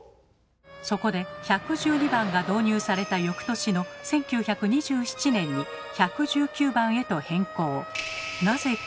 そこで１１２番が導入された翌年の１９２７年に１１９番へと変更。